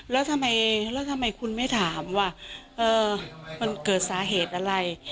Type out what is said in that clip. แล้วทำไมคุณไม่ถามว่ามันเกิดสาเหตุอะไร